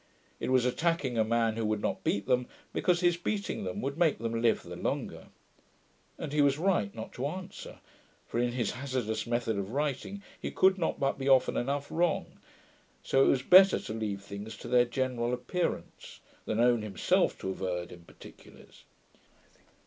It was attacking a man who would not beat them, because his beating them would make them live the longer. And he was right not to answer; for, in his hazardous method of writing, he could not but be often enough wrong; so it was better to leave things to their general appearance, than own himself to have erred in particulars.